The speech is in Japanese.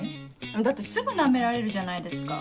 だってすぐナメられるじゃないですか。